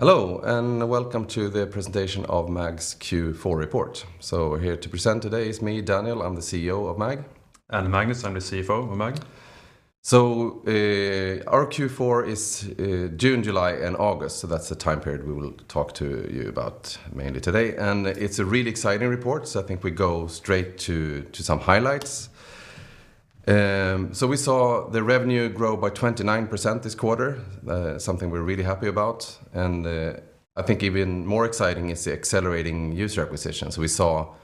Hello, and welcome to the presentation of MAG's Q4 report. Here to present today is me, Daniel, I'm the CEO of MAG. Magnus, I'm the CFO of MAG. Our Q4 is June, July, and August. That's the time period we will talk to you about mainly today, and it's a really exciting report. I think we go straight to some highlights. We saw the revenue grow by 29% this quarter. Something we're really happy about. I think even more exciting is the accelerating user acquisitions. We saw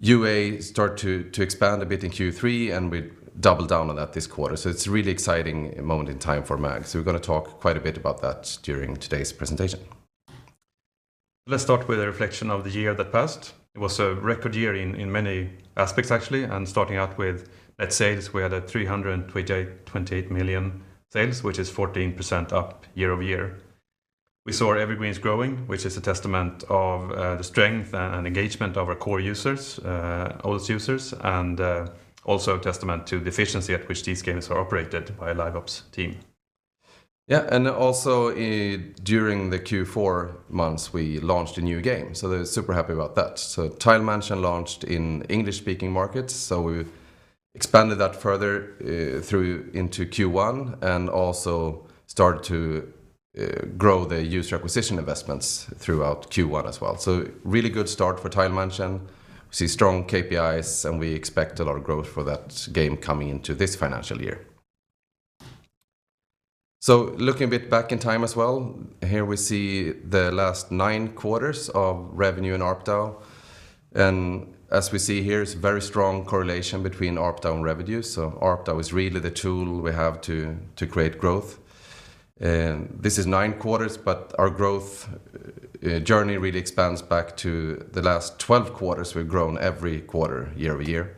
UA start to expand a bit in Q3, and we doubled down on that this quarter. It's a really exciting moment in time for MAG. We're gonna talk quite a bit about that during today's presentation. Let's start with a reflection of the year that passed. It was a record year in many aspects, actually. Starting out with net sales, we had 328 million, which is 14% up year-over-year. We saw our Evergreens growing, which is a testament of the strength and engagement of our core users, oldest users, and also a testament to the efficiency at which these games are operated by a Live Ops team. Yeah. During the Q4 months, we launched a new game, so super happy about that. Tile Mansion launched in English-speaking markets, so we've expanded that further through into Q1, and also started to grow the user acquisition investments throughout Q1 as well. Really good start for Tile Mansion. We see strong KPIs, and we expect a lot of growth for that game coming into this financial year. Looking a bit back in time as well, here we see the last nine quarters of revenue in ARPDAU. As we see here, it's a very strong correlation between ARPDAU and revenue. ARPDAU is really the tool we have to create growth. This is nine quarters, but our growth journey really expands back to the last 12 quarters. We've grown every quarter year-over-year.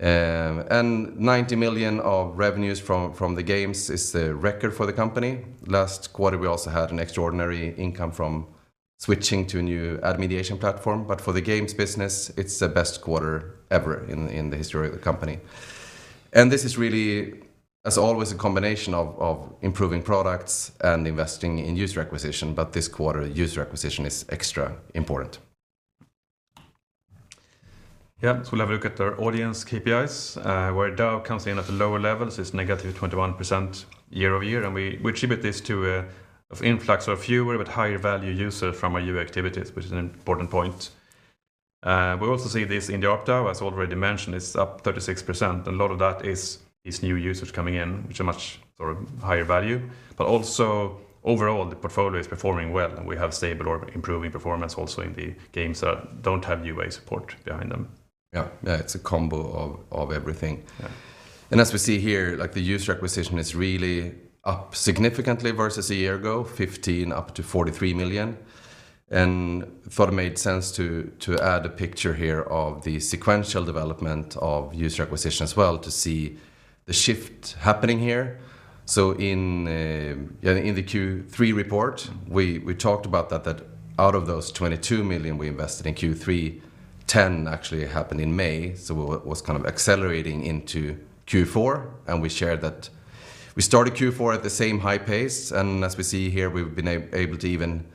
90 million of revenues from the games is a record for the company. Last quarter, we also had an extraordinary income from switching to a new ad mediation platform, but for the games business, it's the best quarter ever in the history of the company. This is really, as always, a combination of improving products and investing in user acquisition. This quarter, user acquisition is extra important. Yeah. We'll have a look at our audience KPIs. Where DAU comes in at a lower level, so it's negative 21% year-over-year. We attribute this to an influx of fewer but higher value users from our UA activities, which is an important point. We also see this in the ARPDAU, as already mentioned, it's up 36%. A lot of that is these new users coming in, which are much sort of higher value, but also overall the portfolio is performing well, and we have stable or improving performance also in the games that don't have UA support behind them. Yeah. It's a combo of everything. Yeah. As we see here, like the user acquisition is really up significantly versus a year ago, 15 million-43 million. Thought it made sense to add a picture here of the sequential development of user acquisition as well to see the shift happening here. In the Q3 report, we talked about that out of those 22 million we invested in Q3, 10 million actually happened in May, so was kind of accelerating into Q4, and we shared that. We started Q4 at the same high pace, and as we see here, we've been able to even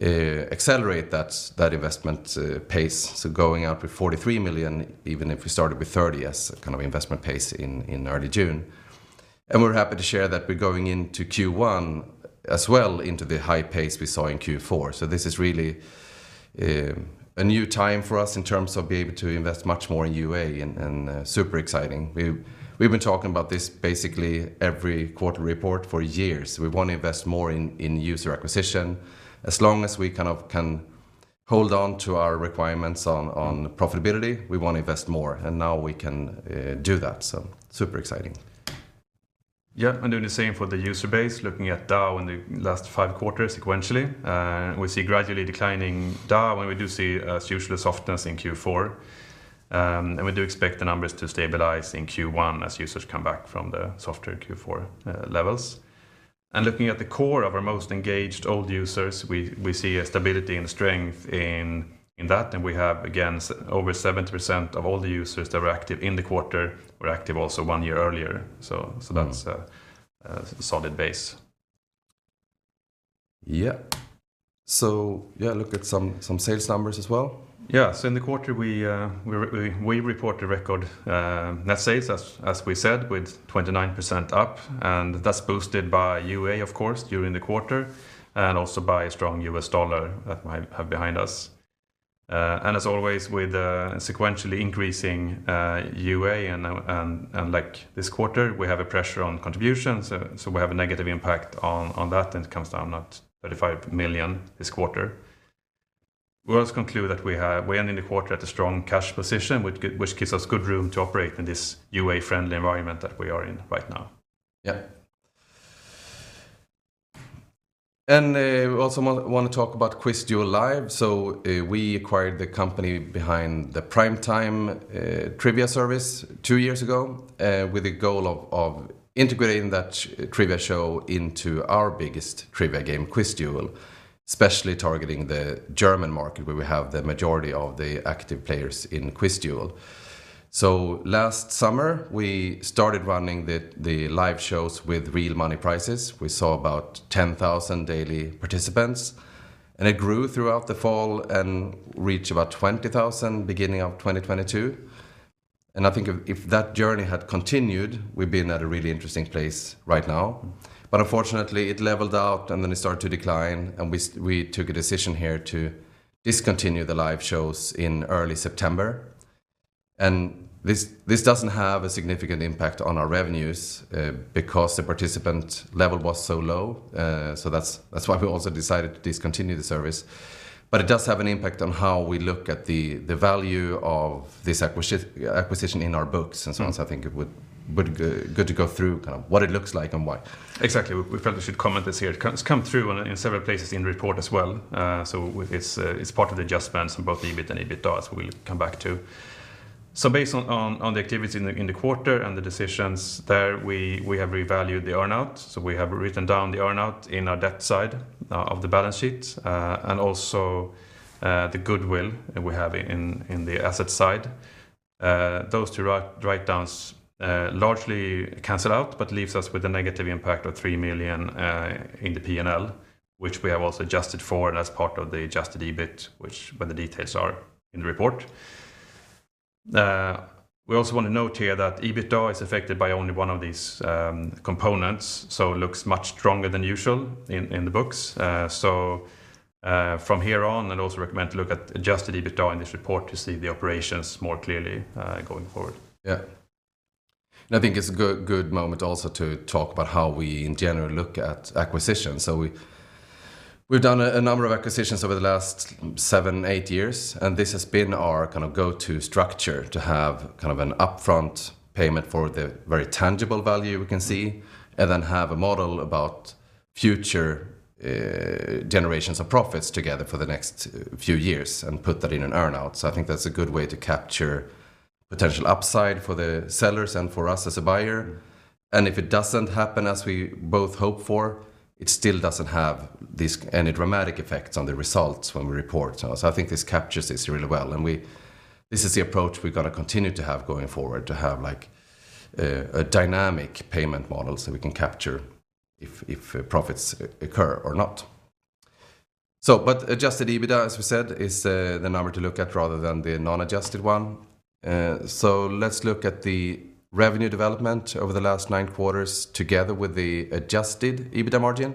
accelerate that investment pace. Going up with 43 million, even if we started with 30 as a kind of investment pace in early June. We're happy to share that we're going into Q1 as well into the high pace we saw in Q4. This is really a new time for us in terms of being able to invest much more in UA and super exciting. We've been talking about this basically every quarter report for years. We wanna invest more in user acquisition. As long as we kind of can hold on to our requirements on profitability, we wanna invest more, and now we can do that, so super exciting. Yeah. Doing the same for the user base, looking at DAU in the last five quarters sequentially. We see gradually declining DAU, and we do see, as usual, a softness in Q4. We do expect the numbers to stabilize in Q1 as users come back from the softer Q4 levels. Looking at the core of our most engaged old users, we see a stability and strength in that. We have, again, over 70% of all the users that were active in the quarter were active also one year earlier. So that's a solid base. Yeah. Yeah, look at some sales numbers as well. Yeah. In the quarter, we report a record net sales as we said, with 29% up, and that's boosted by UA, of course, during the quarter, and also by a strong U.S. dollar that we have behind us. As always, with sequentially increasing UA and like this quarter, we have a pressure on contributions, so we have a negative impact on that, and it comes down at 35 million this quarter. We also conclude that we end the quarter at a strong cash position, which gives us good room to operate in this UA-friendly environment that we are in right now. Yeah, we also wanna talk about QuizDuel Live. We acquired the company behind the prime time trivia service two years ago with the goal of integrating that trivia show into our biggest trivia game, QuizDuel. Especially targeting the German market where we have the majority of the active players in QuizDuel. Last summer, we started running the live shows with real money prizes. We saw about 10,000 daily participants, and it grew throughout the fall and reached about 20,000 beginning of 2022. I think if that journey had continued, we'd been at a really interesting place right now. Unfortunately, it leveled out, and then it started to decline, and we took a decision here to discontinue the live shows in early September. This doesn't have a significant impact on our revenues, because the participant level was so low, so that's why we also decided to discontinue the service. It does have an impact on how we look at the value of this acquisition in our books. I think it would be good to go through kind of what it looks like and why. Exactly. We probably should comment this here. It comes through in several places in the report as well, so it's part of the adjustments in both EBIT and EBITDA, so we'll come back to. Based on the activity in the quarter and the decisions there, we have revalued the earn-out. We have written down the earn-out in our debt side of the balance sheet and also the goodwill that we have in the asset side. Those two write-downs largely cancel out, but leaves us with a negative impact of 3 million in the P&L, which we have also adjusted for and as part of the adjusted EBIT, but the details are in the report. We also wanna note here that EBITDA is affected by only one of these components, so it looks much stronger than usual in the books. From here on, I'd also recommend to look at adjusted EBITDA in this report to see the operations more clearly going forward. I think it's a good moment also to talk about how we in general look at acquisitions. We've done a number of acquisitions over the last 7-8 years, and this has been our kind of go-to structure to have kind of an upfront payment for the very tangible value we can see, and then have a model about future generations of profits together for the next few years and put that in an earn-out. I think that's a good way to capture potential upside for the sellers and for us as a buyer. If it doesn't happen as we both hope for, it still doesn't have any dramatic effects on the results when we report. I think this captures this really well. This is the approach we're gonna continue to have going forward, to have like, a dynamic payment model so we can capture if profits occur or not. But adjusted EBITDA, as we said, is the number to look at rather than the non-adjusted one. Let's look at the revenue development over the last nine quarters together with the adjusted EBITDA margin.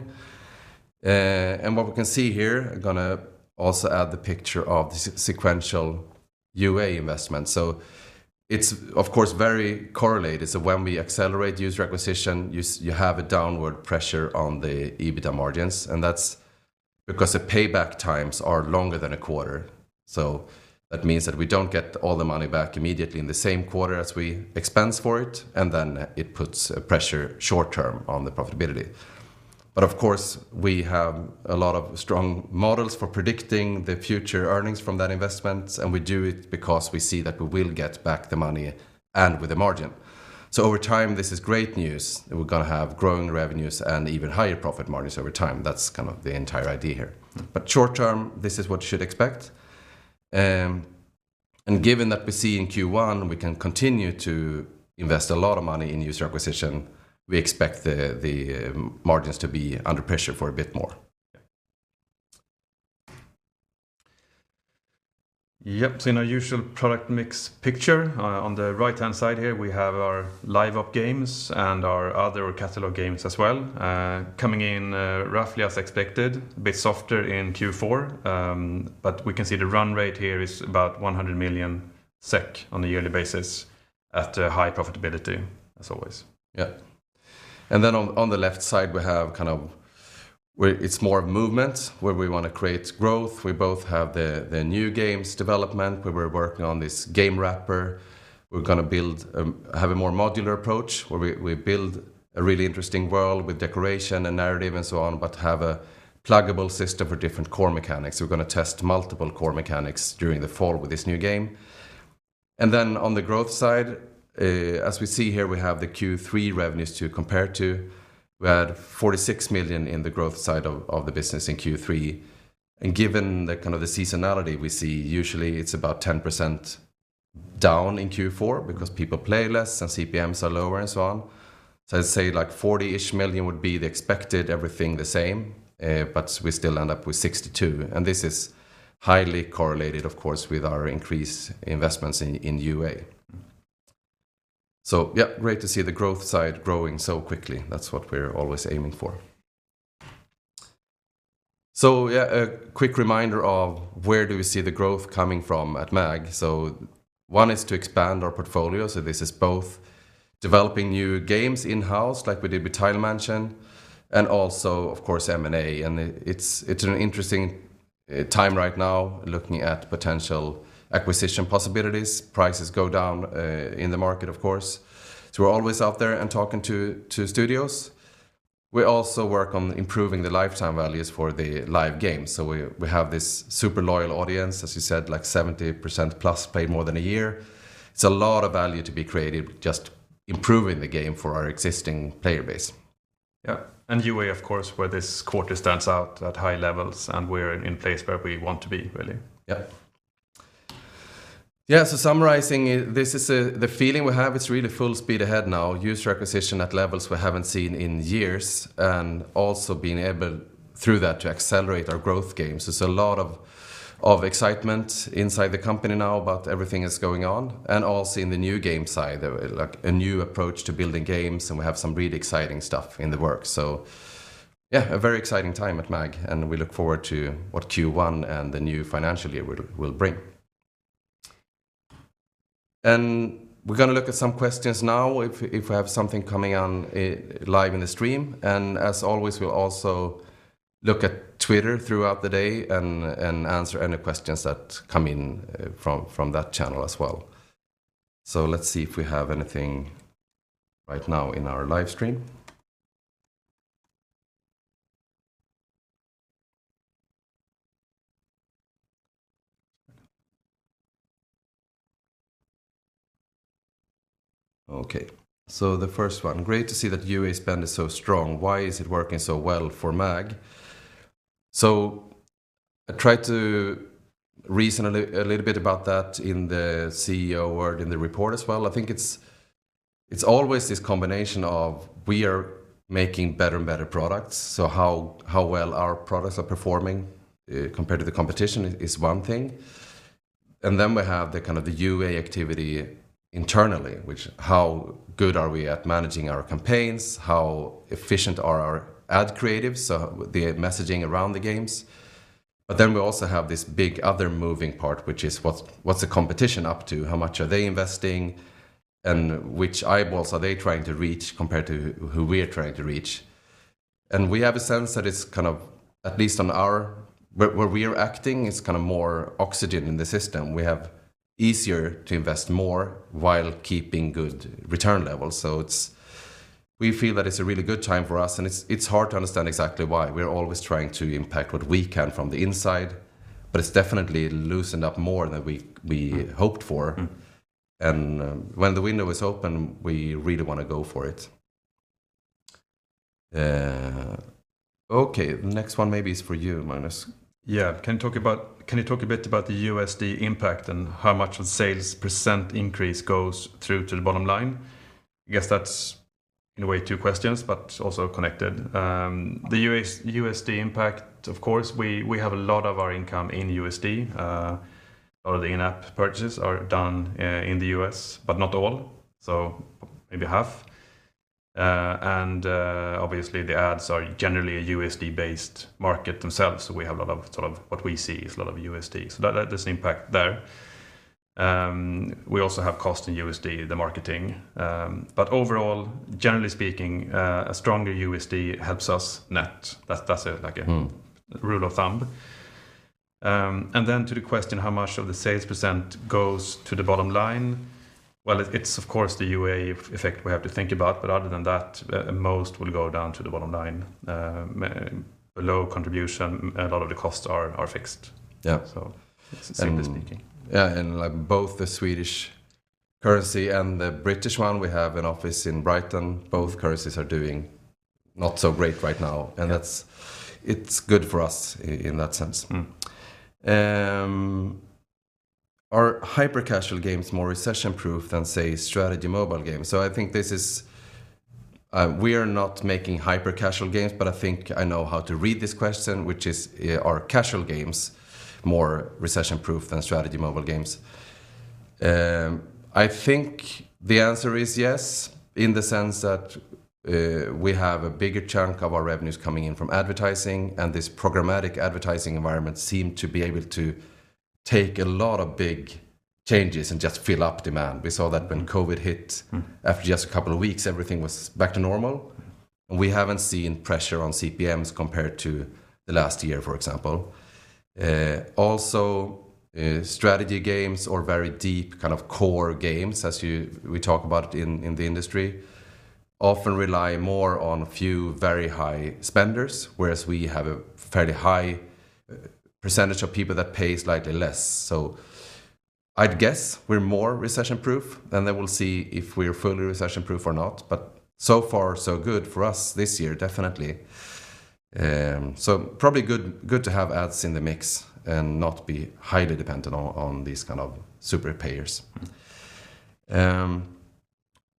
What we can see here, I'm gonna also add the picture of the sequential UA investment. It's of course very correlated. When we accelerate user acquisition, you have a downward pressure on the EBITDA margins, and that's because the payback times are longer than a quarter. That means that we don't get all the money back immediately in the same quarter as we expense for it, and then it puts a pressure short-term on the profitability. Of course, we have a lot of strong models for predicting the future earnings from that investment, and we do it because we see that we will get back the money and with a margin. Over time, this is great news, and we're gonna have growing revenues and even higher profit margins over time. That's kind of the entire idea here. Short-term, this is what you should expect. Given that we see in Q1 we can continue to invest a lot of money in user acquisition, we expect the margins to be under pressure for a bit more. In our usual product mix picture, on the right-hand side here, we have our Live Ops games and our other catalog games as well, coming in roughly as expected, a bit softer in Q4. We can see the run rate here is about 100 million SEK on a yearly basis at a high profitability as always. Yeah. Then on the left side, we have kind of where it's more movement, where we wanna create growth. We have the new games development, where we're working on this game wrapper. We're gonna have a more modular approach, where we build a really interesting world with decoration and narrative and so on, but have a pluggable system for different core mechanics. We're gonna test multiple core mechanics during the fall with this new game. Then on the growth side, as we see here, we have the Q3 revenues to compare to. We had 46 million in the growth side of the business in Q3. Given the kind of seasonality we see, usually it's about 10% down in Q4 because people play less and CPMs are lower and so on. Let's say like 40-ish million would be the expected everything the same, but we still end up with 62 million. This is highly correlated, of course, with our increased investments in UA. Yeah, great to see the growth side growing so quickly. That's what we're always aiming for. Yeah, a quick reminder of where do we see the growth coming from at MAG. One is to expand our portfolio. This is both developing new games in-house, like we did with Tile Mansion, and also, of course, M&A. It's an interesting time right now looking at potential acquisition possibilities. Prices go down in the market, of course. We're always out there and talking to studios. We also work on improving the lifetime values for the live games. We have this super loyal audience, as you said, like 70%+ play more than a year. It's a lot of value to be created with just improving the game for our existing player base. Yeah. UA, of course, where this quarter stands out at high levels, and we're in place where we want to be really. Yeah. Yeah, summarizing, this is the feeling we have. It's really full speed ahead now. User acquisition at levels we haven't seen in years, and also being able through that to accelerate our evergreen games. There's a lot of excitement inside the company now about everything that's going on, and also in the new game side, like a new approach to building games, and we have some really exciting stuff in the works. Yeah, a very exciting time at MAG, and we look forward to what Q1 and the new financial year will bring. We're gonna look at some questions now if we have something coming on live in the stream. As always, we'll also look at Twitter throughout the day and answer any questions that come in from that channel as well. Let's see if we have anything right now in our live stream. Okay, the first one. Great to see that UA spend is so strong. Why is it working so well for MAG? I tried to reason a little bit about that in the CEO word in the report as well. I think it's always this combination of we are making better and better products, how well our products are performing compared to the competition is one thing. Then we have the kind of the UA activity internally, which how good are we at managing our campaigns? How efficient are our ad creatives, so the messaging around the games. Then we also have this big other moving part, which is what's the competition up to? How much are they investing? Which eyeballs are they trying to reach compared to who we're trying to reach. We have a sense that it's kind of at least on our where we're acting, it's kinda more oxygen in the system. We have easier to invest more while keeping good return levels. We feel that it's a really good time for us, and it's hard to understand exactly why. We're always trying to impact what we can from the inside, but it's definitely loosened up more than we hoped for. Mm-hmm. When the window is open, we really wanna go for it. Okay. The next one maybe is for you, Magnus. Yeah. Can you talk a bit about the USD impact and how much of the sales % increase goes through to the bottom line? I guess that's in a way two questions, but also connected. The USD impact, of course, we have a lot of our income in USD. A lot of the in-app purchases are done in the U.S., but not all, so maybe half. Obviously, the ads are generally a USD-based market themselves, so we have a lot of sort of what we see is a lot of USD. That does impact there. We also have costs in USD, the marketing. Overall, generally speaking, a stronger USD helps us net. Mm Rule of thumb. To the question, how much of the sales percent goes to the bottom line? It's of course the UA effect we have to think about, but other than that, most will go down to the bottom line. Low contribution, a lot of the costs are fixed. Yeah. Simply speaking. Yeah, like both the Swedish currency and the British one, we have an office in Brighton. Both currencies are doing not so great right now, and that's. It's good for us in that sense. Mm. Are hyper-casual games more recession-proof than, say, strategy mobile games? I think we're not making hyper-casual games, but I think I know how to read this question, which is, are casual games more recession-proof than strategy mobile games? I think the answer is yes, in the sense that, we have a bigger chunk of our revenues coming in from advertising, and this programmatic advertising environment seem to be able to take a lot of big changes and just fill up demand. We saw that when COVID hit. Mm. After just a couple of weeks, everything was back to normal. Mm-hmm. We haven't seen pressure on CPMs compared to the last year, for example. Also, strategy games or very deep kind of core games, as we talk about in the industry, often rely more on few very high spenders, whereas we have a fairly high percentage of people that pay slightly less. I'd guess we're more recession-proof, and then we'll see if we're fully recession-proof or not. So far, so good for us this year, definitely. Probably good to have ads in the mix and not be highly dependent on these kind of super payers. Mm.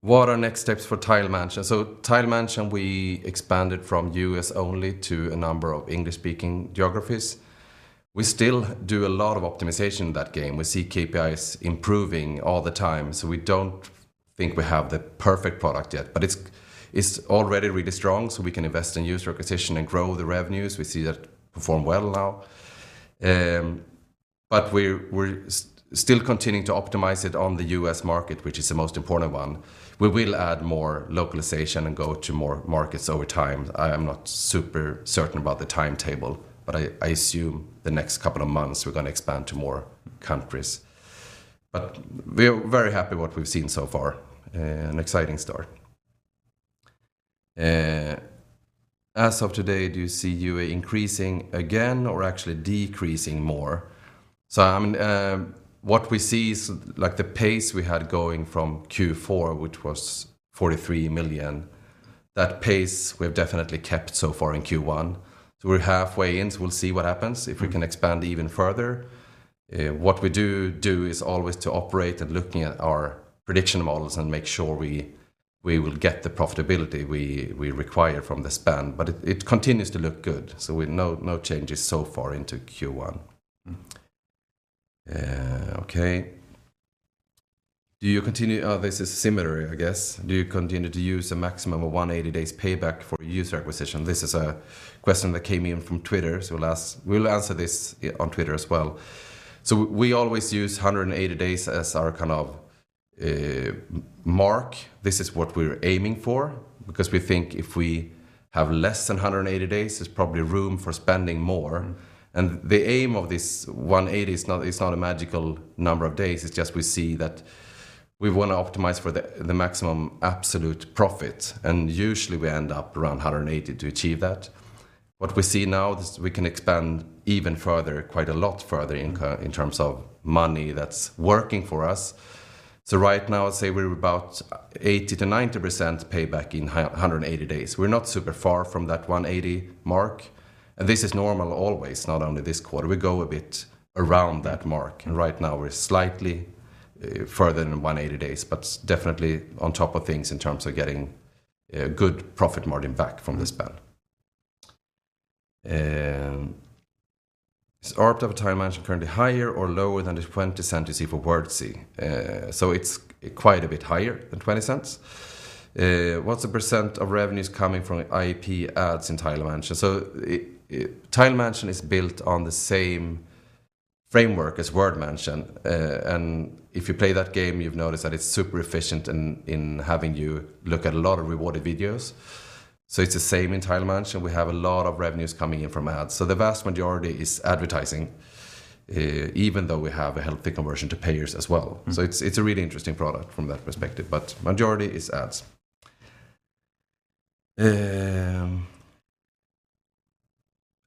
What are next steps for Tile Mansion? Tile Mansion, we expanded from U.S. only to a number of English-speaking geographies. We still do a lot of optimization in that game. We see KPIs improving all the time, so we don't think we have the perfect product yet. But it's already really strong, so we can invest in user acquisition and grow the revenues. We see that perform well now. But we're still continuing to optimize it on the U.S. market, which is the most important one. We will add more localization and go to more markets over time. I am not super certain about the timetable, but I assume the next couple of months, we're gonna expand to more countries. We're very happy with what we've seen so far, and exciting stuff. As of today, do you see UA increasing again or actually decreasing more? I mean, what we see is like the pace we had going from Q4, which was 43 million, that pace we've definitely kept so far in Q1. We're halfway in, so we'll see what happens if we can expand even further. What we do is always to operate and looking at our prediction models and make sure we will get the profitability we require from the spend. It continues to look good, so no changes so far into Q1. Mm-hmm. This is similar, I guess. Do you continue to use a maximum of 180 days payback for user acquisition? This is a question that came in from Twitter, so we'll answer this on Twitter as well. We always use 180 days as our kind of mark. This is what we're aiming for because we think if we have less than 180 days, there's probably room for spending more. The aim of this 180 is not. It's not a magical number of days. It's just we see that we wanna optimize for the maximum absolute profit, and usually we end up around 180 to achieve that. What we see now is we can expand even further, quite a lot further in terms of money that's working for us. Right now, I'd say we're about 80%-90% payback in 180 days. We're not super far from that 180-day mark. This is normal always, not only this quarter. We go a bit around that mark. Right now we're slightly further than 180 days, but definitely on top of things in terms of getting good profit margin back from the spend. Is ARPDAU in Tile Mansion currently higher or lower than the $0.20 you see for Wordzee? It's quite a bit higher than $0.20. What's the % of revenues coming from IAP ads in Tile Mansion? Tile Mansion is built on the same framework as Word Mansion. If you play that game, you've noticed that it's super efficient in having you look at a lot of rewarded videos. It's the same in Tile Mansion. We have a lot of revenues coming in from ads. The vast majority is advertising, even though we have a healthy conversion to payers as well. Mm-hmm. It's a really interesting product from that perspective, but majority is ads.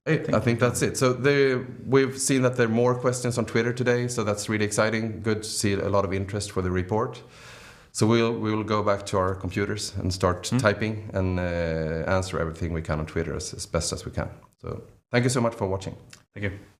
I think that's it. I think that's it. We've seen that there are more questions on Twitter today, so that's really exciting. Good to see a lot of interest for the report. We will go back to our computers and start- Mm. typing and answer everything we can on Twitter as best as we can. Thank you so much for watching. Thank you.